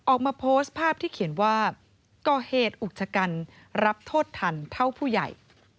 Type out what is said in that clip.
ออกมาโพสต์ภาพที่เขียนว่าก่อเหตุอุกชะกันรับโทษทันเท่าผู้ใหญ่